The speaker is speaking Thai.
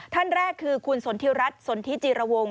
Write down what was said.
ท่านแรกคือคุณสนทิรัฐสนทิจิรวง